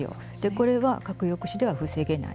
これは、核抑止では防げない。